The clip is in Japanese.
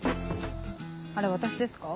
あれ私ですか？